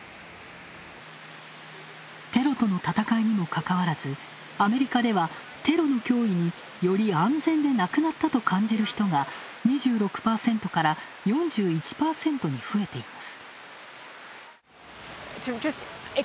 テロとの戦いにもかかわらず、アメリカではテロの脅威に、より安全でなくなったと感じる人が２６％から４１％に増えています。